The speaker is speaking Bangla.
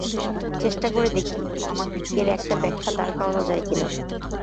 চেষ্টা করে দেখি, এর একটা ব্যাখ্যা দাঁড় করানো যায় কিনা।